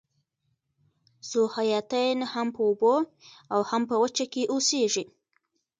ذوحیاتین هم په اوبو او هم په وچه اوسیږي